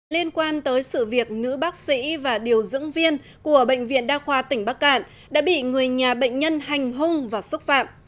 liên quan tới sự việc nữ bác sĩ và điều dưỡng viên của bệnh viện đa khoa tỉnh bắc cạn đã bị người nhà bệnh nhân hành hung và xúc phạm